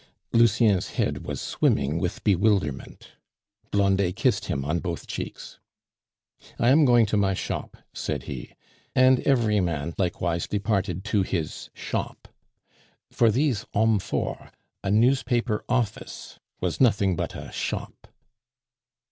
Lucien's head was swimming with bewilderment. Blondet kissed him on both cheeks. "I am going to my shop," said he. And every man likewise departed to his shop. For these "hommes forts," a newspaper office was nothing but a shop.